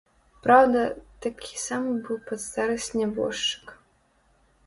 Праўда, такі самы быў пад старасць нябожчык.